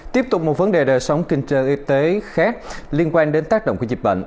tiếp tục một vấn đề đời sống kinh tế